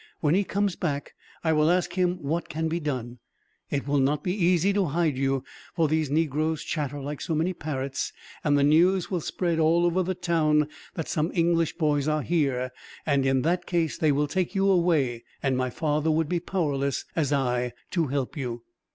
"When he comes back, I will ask him what can be done. It will not be easy to hide you, for these negroes chatter like so many parrots; and the news will spread all over the town that some English boys are here, and in that case they will take you away, and my father would be powerless as I to help you."